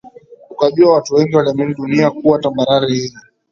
Ukajua Watu wengi waliamini dunia kuwa tambarare yenye